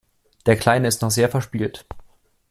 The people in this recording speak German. Der Kleine ist noch sehr verspielt.